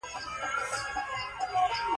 • ونه د خوړو تولید ته مرسته کوي.